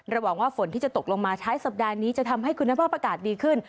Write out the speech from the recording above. หวังว่าฝนที่จะตกลงมาท้ายสัปดาห์นี้จะทำให้คุณภาพอากาศดีขึ้น